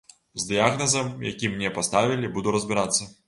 З дыягназам, які мне паставілі, буду разбірацца.